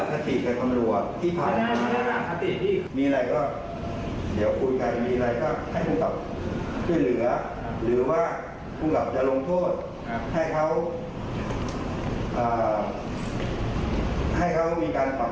ถ้าทำอะไรไปที่ไม่เป็นที่ปลอดใจหรือว่าทำให้เกิดอารมณ์